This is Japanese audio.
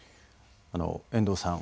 遠藤さん